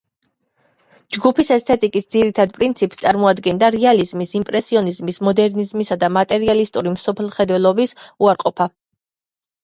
ჯგუფის ესთეტიკის ძირითად პრინციპს წარმოადგენდა რეალიზმის, იმპრესიონიზმის, მოდერნისა და მატერიალისტური მსოფლმხედველობის უარყოფა.